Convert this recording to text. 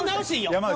「山内」